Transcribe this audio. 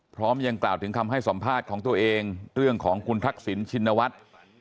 พร้อมยังกล่าวถึงคำให้สัมภาษณ์ของตัวเองเรื่องของคุณทักษิณชินวัฒน์